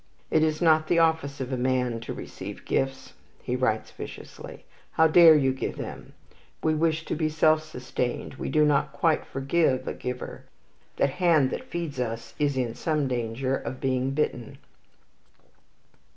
"It is not the office of a man to receive gifts," he writes viciously. "How dare you give them? We wish to be self sustained. We do not quite forgive a giver. The hand that feeds us is in some danger of being bitten."